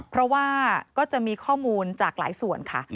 เพราะว่าก็จะมีข้อมูลจากหลายส่วนค่ะ